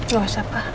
gak usah pak